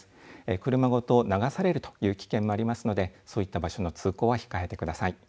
車ごと流されるという危険もありますのでそういった場所の通行は控えてください。